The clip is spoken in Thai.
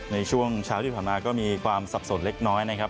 ในช่วงเช้าที่ผ่านมาก็มีความสับสนเล็กน้อยนะครับ